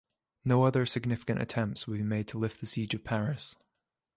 No other significant attempts would be made to lift the siege of Paris.